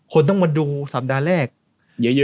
ต้องมาดูสัปดาห์แรกเยอะ